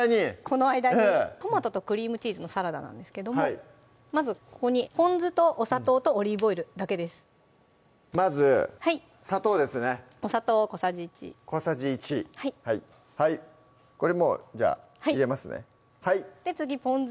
この間に「トマトとクリームチーズのサラダ」なんですけどもまずここにぽん酢とお砂糖とオリーブオイルだけですまず砂糖ですねお砂糖小さじ１小さじ１これもうじゃあ入れますねで次ぽん